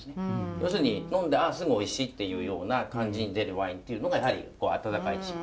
要するに飲んであすぐおいしいっていうような感じに出るワインっていうのがやはり暖かい地域。